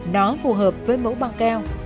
nó phù hợp với mẫu băng keo